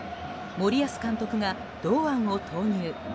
森保監督が堂安を投入。